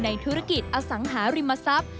ธุรกิจอสังหาริมทรัพย์